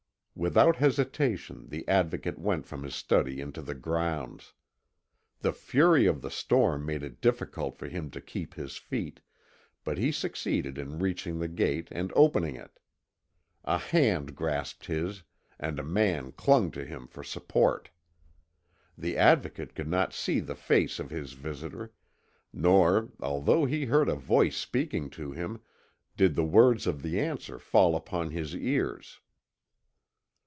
Without hesitation, the Advocate went from his study into the grounds. The fury of the storm made it difficult for him to keep his feet, but he succeeded in reaching the gate and opening it. A hand grasped his, and a man clung to him for support. The Advocate could not see the face of his visitor, nor, although he heard a voice speaking to him, did the words of the answer fall upon his ears.